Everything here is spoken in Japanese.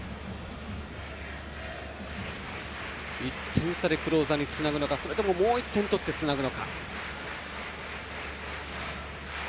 １点差でクローザーにつなぐのかそれとももう１点取ってつなぐのか。